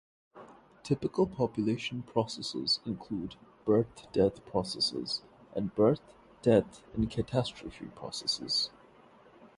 Typical population processes include birth-death processes and birth, death and catastrophe processes.